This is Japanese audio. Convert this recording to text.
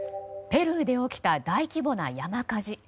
ペルーで起きた大規模な山火事。